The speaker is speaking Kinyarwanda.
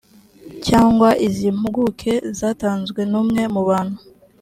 cyangwa iz impuguke zatanzwe n umwe mu bantu